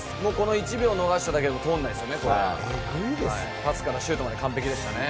１秒逃しただけでも通らないですよね。